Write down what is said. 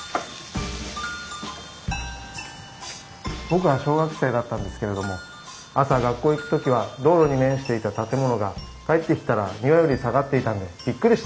僕は小学生だったんですけれども朝学校行く時は道路に面していた建物が帰ってきたら庭より下がっていたんでびっくりしたんですよ。